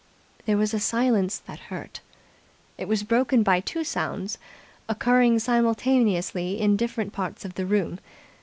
There was a silence that hurt. It was broken by two sounds, occurring simultaneously in different parts of the room.